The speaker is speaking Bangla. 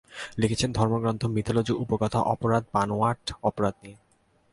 লিখেছেন ধর্মগ্রন্থ, মিথলজি, উপকথা, অপরাধ, বানোয়াট অপরাধ নিয়ে।